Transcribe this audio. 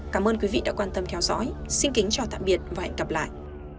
cảm ơn quý vị đã quan tâm theo dõi xin kính chào tạm biệt và hẹn gặp lại